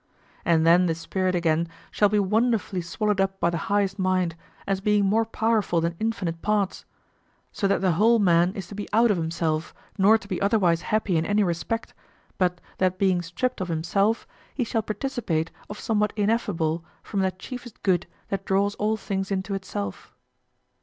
And then the spirit again shall be wonderfully swallowed up by the highest mind, as being more powerful than infinite parts; so that the whole man is to be out of himself nor to be otherwise happy in any respect, but that being stripped of himself, he shall participate of somewhat ineffable from that chiefest good that draws all things into itself.